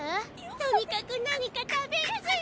とにかく何か食べるずら！